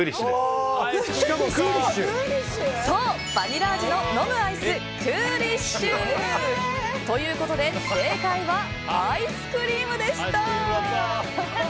そう、バニラ味の飲むアイスクーリッシュ！ということで正解はアイスクリームでした。